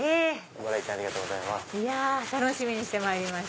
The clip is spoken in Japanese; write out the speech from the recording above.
ご来店ありがとうございます。